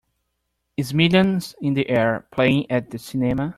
Is Millions in the Air playing at the cinema